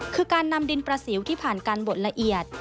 คือการนำดินประสิวที่ผ่านการบดละเอียด